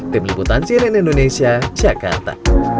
tim liputan cnn indonesia jakarta